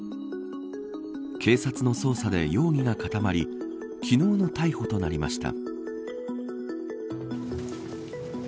警察の捜査で容疑が固まり昨日の逮捕となりました。